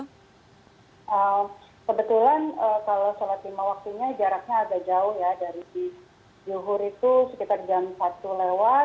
kebetulan kalau sholat lima waktunya jaraknya agak jauh ya dari di zuhur itu sekitar jam satu lewat